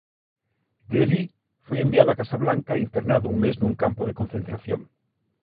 De alí foi enviado a Casablanca e internado un mes nun campo de concentración.